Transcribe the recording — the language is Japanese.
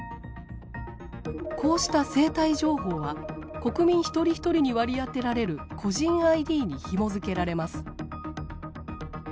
こうした生体情報は国民一人一人に割り当てられる個人ＩＤにひもづけられます。